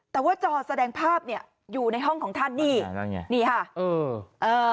แต่ว่าจอแสดงภาพเนี่ยอยู่ในห้องของท่านนี่นี่ค่ะเออ